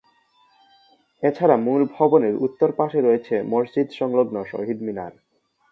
এছাড়া মূল ভবনের উত্তর পাশে রয়েছে মসজিদ সংলগ্ন শহীদ মিনার।